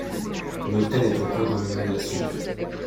L'hôtel est en cours de rénovation.